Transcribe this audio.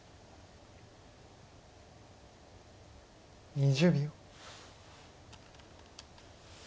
２０秒。